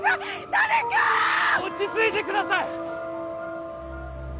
誰かーっ落ち着いてください